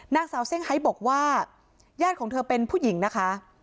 นางสาวเซ่งไฮบอกว่าญาติของเธอเป็นผู้หญิงนะคะ